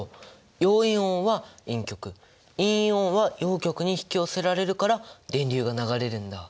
陽イオンは陰極陰イオンは陽極に引き寄せられるから電流が流れるんだ。